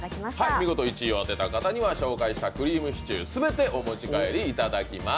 見事１位を当てた方には紹介したクリームシチュー、すべてお持ち帰りいただきます。